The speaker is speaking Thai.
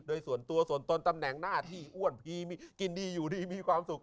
โดยส่วนตัวส่วนตนตำแหน่งหน้าที่อ้วนพีมีกินดีอยู่ดีมีความสุข